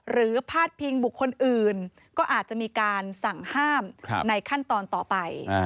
พาดพิงบุคคลอื่นก็อาจจะมีการสั่งห้ามในขั้นตอนต่อไป